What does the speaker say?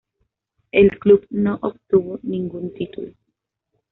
El club no obtuvo ningún título.